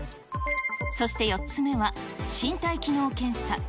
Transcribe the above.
そして４つ目は身体機能検査。